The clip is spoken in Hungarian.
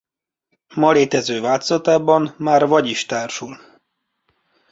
Ma létező változatában már vagy is társul.